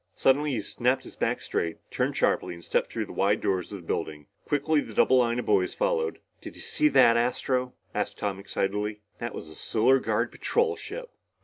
Suddenly he snapped his back straight, turned sharply and stepped through the wide doors of the building. Quickly the double line of boys followed. "Did you see that, Astro?" asked Tom excitedly. "That was a Solar Guard patrol ship!"